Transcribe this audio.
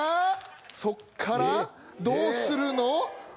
そこからどうするの？